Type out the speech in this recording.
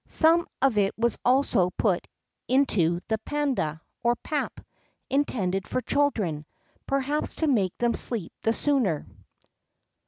[X 2] Some of it was also put into the panada, or pap, intended for children[X 3] perhaps to make them sleep the sooner.